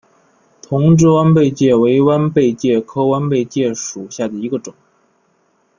同志弯贝介为弯贝介科弯贝介属下的一个种。